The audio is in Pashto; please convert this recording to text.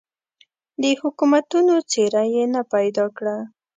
د حکومتونو څېره یې نه پیدا کړه.